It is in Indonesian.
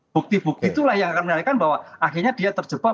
bukti bukti itulah yang akan menanyakan bahwa akhirnya dia terjebak